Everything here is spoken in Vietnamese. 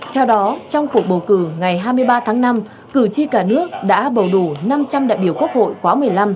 theo đó trong cuộc bầu cử ngày hai mươi ba tháng năm cử tri cả nước đã bầu đủ năm trăm linh đại biểu quốc hội khóa một mươi năm